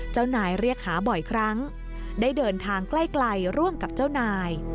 เจ้านายเรียกหาบ่อยครั้งได้เดินทางใกล้ร่วมกับเจ้านาย